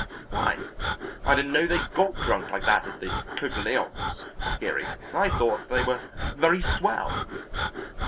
"Why, I didn't know they got drunk like that at the Cotillons," said Geary. "I thought they were very swell."